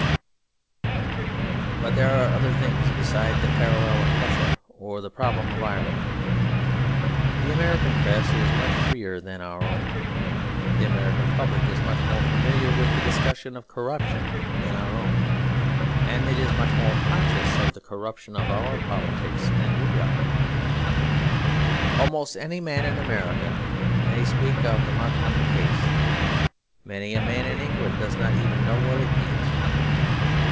But there are other things besides the parallel of Prussia or the problem of Ireland. The American press is much freer than our own; the American public is much more familiar with the discussion of corruption than our own; and it is much more conscious of the corruption of our politics than we are. Almost any man in America may speak of the Marconi Case; many a man in England does not even know what it means.